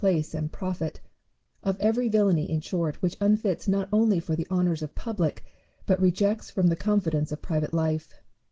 place and profit, of every villainy in short which unfits not only for the honours of public, but rejects from the confidence of private life.